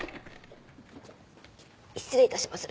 失礼いたしまする。